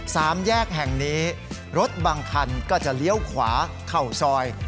สามแยกแห่งนี้รถบางคันก็จะเลี้ยวขวาเข้าซอย